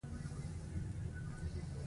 دریشي د ماښام محفلونو لپاره غوره ده.